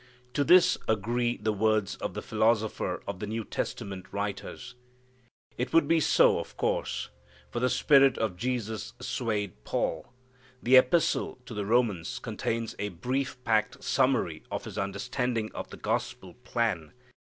To this agree the words of the philosopher of the New Testament writers. It would be so, of course, for the Spirit of Jesus swayed Paul. The epistle to the Romans contains a brief packed summary of his understanding of the gospel plan.